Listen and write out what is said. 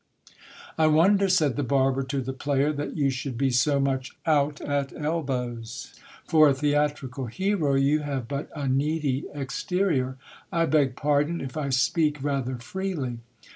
I wonder, said the barber to the player, that you should be so much out at e bows. For a theatrical hero, you have but a needy exterior ! I beg pardon if I speak rather freely.